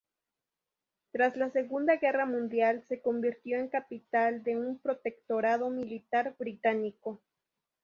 Tras la Segunda Guerra Mundial se convirtió en capital de un protectorado militar británico.